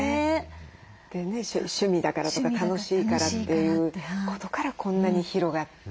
でね趣味だからとか楽しいからということからこんなに広がって。